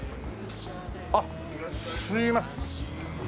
あっすいません。